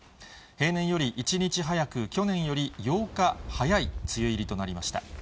平年より１日早く、去年より８日早い梅雨入りとなりました。